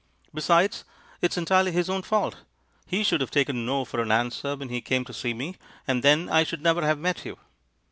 Be sides, it's entirely his own fault; he should have taken 'no' for an answer when he came to see me, and then I should never have met you.